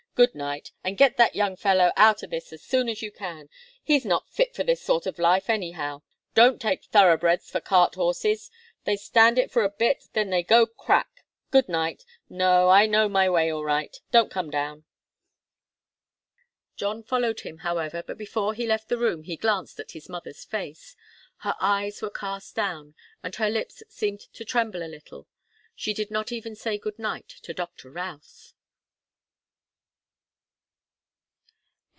Good night and get that young fellow out of this as soon as you can. He's not fit for this sort of life, anyhow. Don't take thoroughbreds for cart horses they stand it for a bit, and then they go crack! Good night no, I know my way all right don't come down." John followed him, however, but before he left the room he glanced at his mother's face. Her eyes were cast down, and her lips seemed to tremble a little. She did not even say good night to Doctor Routh.